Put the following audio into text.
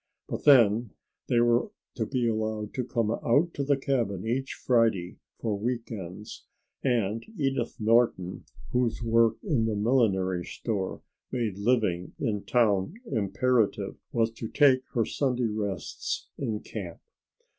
But then they were to be allowed to come out to the cabin each Friday for week ends, and Edith Norton, whose work in the millinery store made living in town imperative, was to take her Sunday rests in camp.